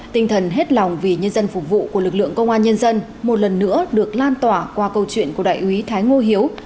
tinh thần hết lòng vì nhân dân phục vụ của lực lượng công an nhân dân một lần nữa được lan tỏa qua câu chuyện của đại úy thái ngô hiếu